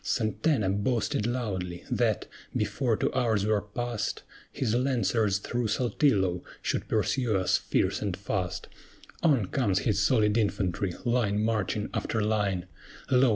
SANTANA boasted loudly that, before two hours were past, His Lancers through Saltillo should pursue us fierce and fast: On comes his solid infantry, line marching after line; Lo!